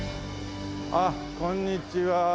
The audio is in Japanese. あっこんにちは。